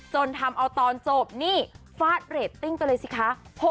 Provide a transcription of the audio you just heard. จนทำเอาตอนจบนี่ฟาดเรตติ้งไปเลยสิคะ